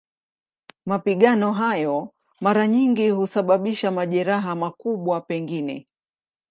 Mapigano hayo mara nyingi husababisha majeraha, makubwa pengine.